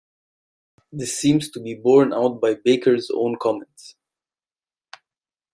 This seems to be borne out by Baker's own comments.